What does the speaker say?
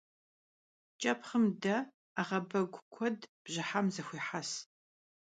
Ç'epxhım de, 'eğebegu kued bjıhem zexuêhes.